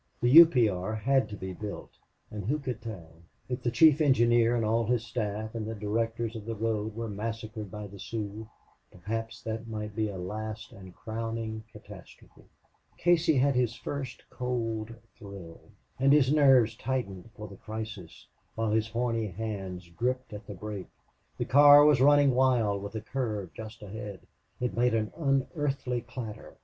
The U. P. R. had to be built and who could tell? if the chief engineer and all his staff and the directors of the road were massacred by the Sioux, perhaps that might be a last and crowning catastrophe. Casey had his first cold thrill. And his nerves tightened for the crisis, while his horny hands gripped on the brake. The car was running wild, with a curve just ahead. It made an unearthly clatter.